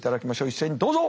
一斉にどうぞ。